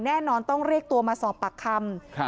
แน่นอนต้องเรียกตัวมาสอบปากคำ